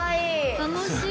楽しい。